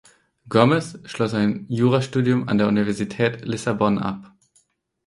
Gomes schloss ein Jurastudium an der Universität Lissabon ab.